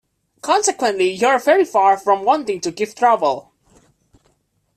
Consequently you're very far from wanting to give trouble.